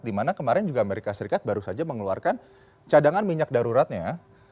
dimana kemarin juga amerika serikat baru saja mengeluarkan cadangan minyak daruratnya ya